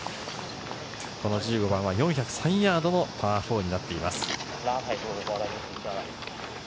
この１５番は４０３ヤードのパー４になっています。